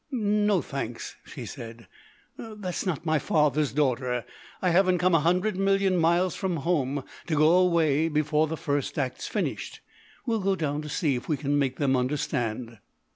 "No, thanks," she said. "That's not my father's daughter. I haven't come a hundred million miles from home to go away before the first act's finished. We'll go down to see if we can make them understand."